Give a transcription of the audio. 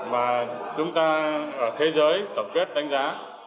và chúng ta ở thế giới tập kết đánh giá